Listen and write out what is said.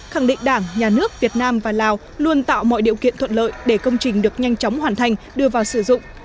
khẳng định đảng nhà nước việt nam và lào luôn tạo mọi điều kiện thuận lợi để công trình được nhanh chóng hoàn thành đưa vào sử dụng